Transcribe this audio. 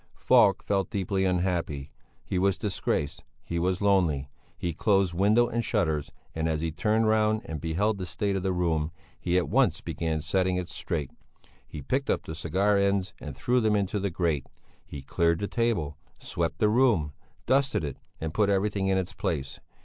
Falk felt deeply unhappy. He was disgraced he was lonely! He closed window and shutters, and as he turned round and beheld the state of the room, he at once began setting it straight. He picked up the cigar ends and threw them into the grate; he cleared the table, swept the room, dusted it and put everything in its place.